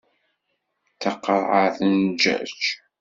D taqerɛet n jjaj.